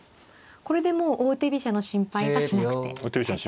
これでもう王手飛車の心配はしなくて大丈夫。